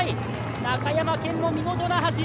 中山顕の見事な走り。